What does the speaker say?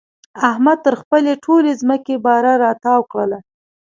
احمد تر خپلې ټولې ځمکې باره را تاو کړله.